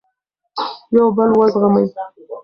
یو بل وزغمئ.